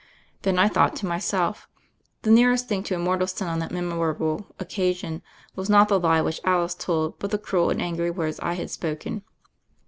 Then I thought to myself — the nearest thing to a mortal sin on that memorable occasion was not the lie which Alice told, but the cruel and angry words I had spoken.